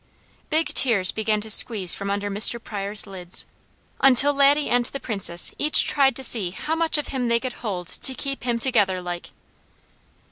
Big tears began to squeeze from under Mr. Pryor's lids, until Laddie and the Princess each tried to see how much of him they could hold to keep him together like.